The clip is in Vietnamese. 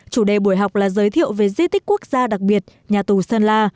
chủ đề buổi học là giới thiệu về di tích quốc gia đặc biệt nhà tù sơn la